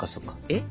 えっ？